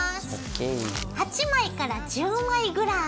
８枚１０枚ぐらい。